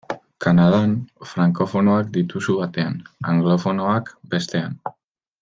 Kanadan, frankofonoak dituzu batean, anglofonoak bestean.